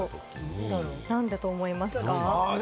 何だと思いますか？